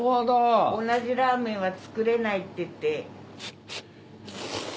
同じラーメンは作れないっていって。